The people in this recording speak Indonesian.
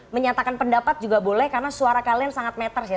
menyatakan pendapat juga boleh karena suara kalian sangat matters ya